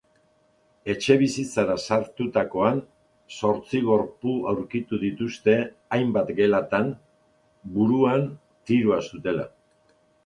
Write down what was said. Etxebizitzara sartutakoan zortzi gorpu aurkitu dituzte hainbat gelatan, buruan tiroa zutela.